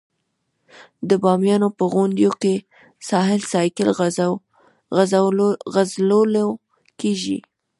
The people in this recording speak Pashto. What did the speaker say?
د بامیانو په غونډیو کې سایکل ځغلول کیږي.